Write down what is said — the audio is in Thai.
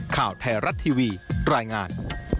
ข่าวไทยรัฐทีวีรายงาน